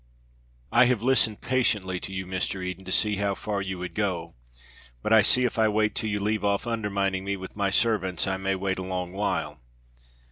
"I have listened patiently to you, Mr. Eden, to see how far you would go; but I see if I wait till you leave off undermining me with my servants, I may wait a long while."